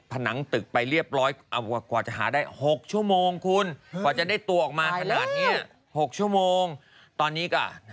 ผนังตึกไปเรียบร้อยกว่าจะหาได้๖ชั่วโมงคุณกว่าจะได้ตัวออกมาขนาดนี้๖ชั่วโมงตอนนี้ก็